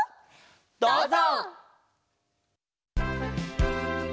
どうぞ！